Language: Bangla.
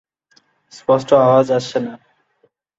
স্পষ্ট আওয়াজ আসছে না।